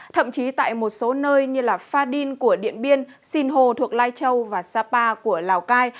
thậm chí tại một số nơi như pha đin của điện biên sinh hồ thuộc lai châu và sapa của lào cai